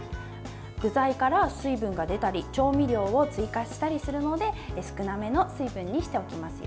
具材から水分が出たり調味料を追加したりするので少なめの水分にしておきますよ。